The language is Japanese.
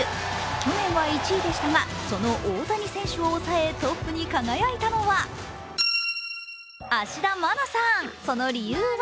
去年は１位でしたが、その大谷選手を抑え、トップに輝いたのは芦田愛菜さん、その理由は